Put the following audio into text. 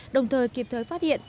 đồng thời kịp thời phát hiện